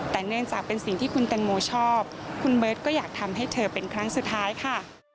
แต่เนื่องจากเป็นสิ่งที่คุณแตงโมชอบคุณเบิร์ตก็อยากทำให้เธอเป็นครั้งสุดท้ายค่ะ